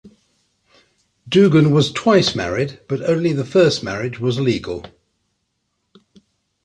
Doogan was twice married, but only the first marriage was legal.